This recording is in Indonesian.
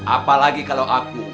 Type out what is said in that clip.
apalagi kalau aku